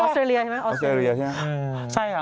อสเตอร์เรียใช่มั้ย